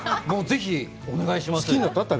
もうぜひお願いします。